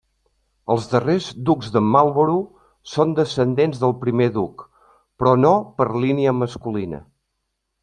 Els darrers Ducs de Marlborough són descendents del primer Duc, però no per línia masculina.